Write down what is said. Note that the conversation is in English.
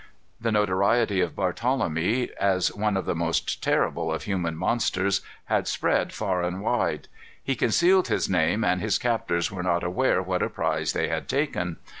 The notoriety of Barthelemy, as one of the most terrible of human monsters, had spread far and wide. He concealed his name, and his captors were not aware what a prize they had taken.